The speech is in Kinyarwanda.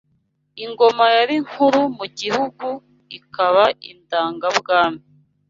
Ingoma yari nkuru mu gihugu, ikaba indangabwami